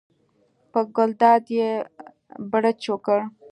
په ګلداد یې بړچ وکړ.